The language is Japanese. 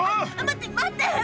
待って待って！